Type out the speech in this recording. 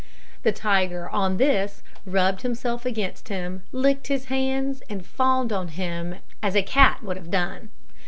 The tiger, on this, rubbed himself against him, licked his hands, and fawned on him as a eat would have done.